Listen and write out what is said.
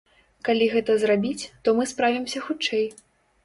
Калі гэта зрабіць, то мы справімся хутчэй.